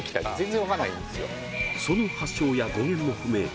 その発祥や語源も不明